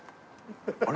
あれ